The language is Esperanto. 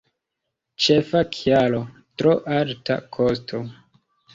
Ĉefa kialo: tro alta kosto.